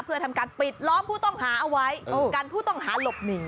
เพื่อทำการปิดล้อมผู้ต้องหาเอาไว้กันผู้ต้องหาหลบหนี